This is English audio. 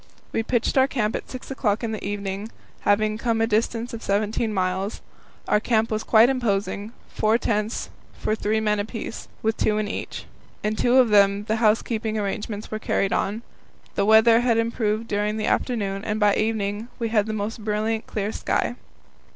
We pitched our camp at six o'clock in the evening, having come a distance of seventeen miles. Our camp was quite imposing four tents for three men apiece, with two in each. In two of them the housekeeping arrangements were carried on. The weather had improved during the afternoon, and by evening we had the most brilliantly clear sky.